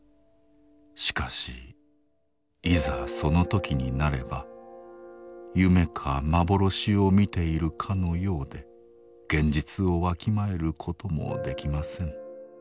しかしいざその時になれば夢か幻を見ているかのようで現実をわきまえることもできません。